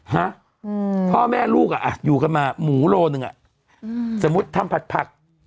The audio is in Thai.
ฮะอืมพ่อแม่ลูกอ่ะอ่ะอยู่กันมาหมูโลหนึ่งอ่ะอืมสมมุติทำผัดผัก